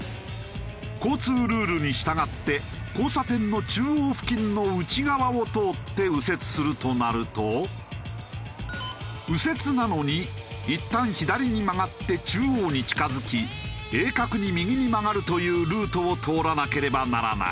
交通ルールに従って交差点の中央付近の内側を通って右折するとなると右折なのにいったん左に曲がって中央に近付き鋭角に右に曲がるというルートを通らなければならない。